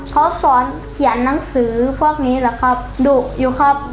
เขาสอนเขียนหนังสือพวกนี้แหละครับดุอยู่ครับ